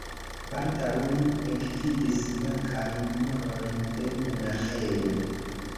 Baldaŭ li ekvidis blankajn murojn de monaĥejo.